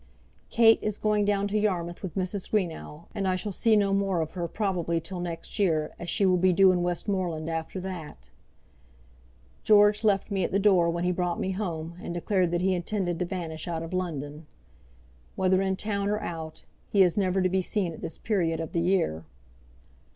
Kate is going down to Yarmouth with Mrs. Greenow, and I shall see no more of her probably till next year, as she will be due in Westmoreland after that. George left me at the door when he brought me home, and declared that he intended to vanish out of London. Whether in town or out, he is never to be seen at this period of the year.